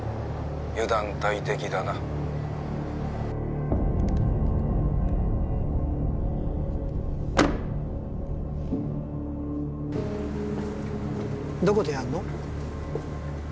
☎油断大敵だなどこでやんの？